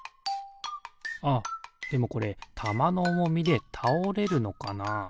あっでもこれたまのおもみでたおれるのかな？